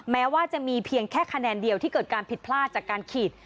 แม้ว่าจะมีเพียงแค่คะแนนเดียวที่เกิดการผิดพลาดจากการขีด